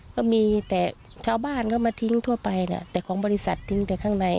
ก็มีแต่ชาวบ้านเขามาทิ้งทั่วไปแหละแต่ของบริษัททิ้งแต่ข้างใน